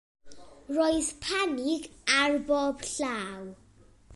Roedd panig ar bob llaw.